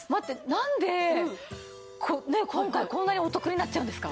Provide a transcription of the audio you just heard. なんで今回こんなにお得になっちゃうんですか？